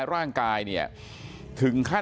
นางมอนก็บอกว่า